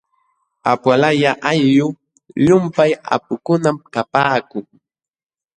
Apuqalaya ayllu llumpay apukunam kapaakun.